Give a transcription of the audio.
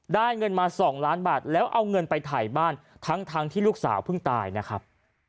เงินมา๒ล้านบาทแล้วเอาเงินไปถ่ายบ้านทั้งที่ลูกสาวเพิ่งตายนะครับ